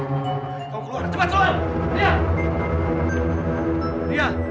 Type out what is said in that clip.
kau keluar cepat keluar ria